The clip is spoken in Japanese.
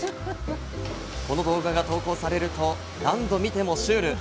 この動画が投稿されると、何度見てもシュール。